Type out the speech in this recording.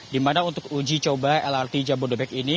di mana untuk ujicoba lrt jambu dabek ini